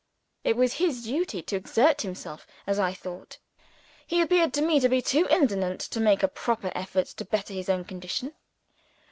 It was his duty to exert himself as I thought. He appeared to me to be too indolent to make a proper effort to better his own condition.